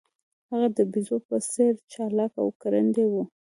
هغه د بیزو په څیر چلاک او ګړندی و.